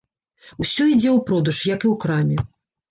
Усё ідзе ў продаж, як і ў краме.